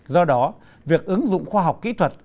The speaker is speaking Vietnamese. do đó việc ứng dụng khoa học kỹ thuật